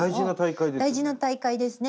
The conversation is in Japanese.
大事な大会ですよね。